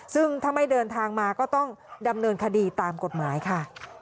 ซึ่งถ้าไม่เดินทางมาก็ต้องดำเนินคดีตามกฎหมายค่ะ